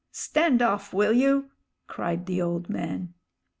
"Stand off, will you?" cried the old man.